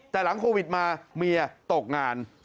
แต่หลังโควิดมาเมียตกงาน